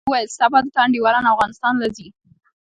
مولوي صاحب وويل سبا د تا انډيوالان افغانستان له زي؟